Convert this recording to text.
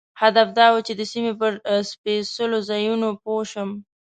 هدف دا و چې د سیمې پر سپېڅلو ځایونو پوه شم.